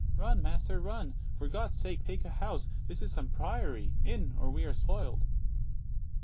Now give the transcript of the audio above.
35 Dro. S. Run, master, run; for God's sake, take a house! This is some priory. In, or we are spoil'd!